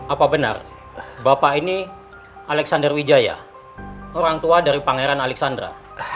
apa benar bapak ini alexander wijaya orang tua dari pangeran alexandra